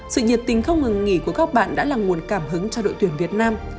sự nhiệt tình không ngừng nghỉ của các bạn đã là nguồn cảm hứng cho đội tuyển việt nam